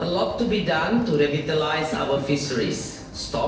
banyak yang harus dilakukan untuk memperbaiki pesan pesan kita